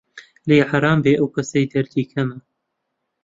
لێی حەرام بێ ئەو کەسەی دەردی کەمە